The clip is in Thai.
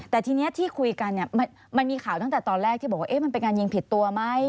แต่ทีนี้ที่คุยกันเนี่ยมันมีข่าวตั้งแต่ตอนแรกที่บอกว่ามันเป็นการยิงผิดตัวไหม